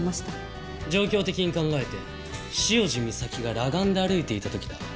状況的に考えて潮路岬が裸眼で歩いていた時だ。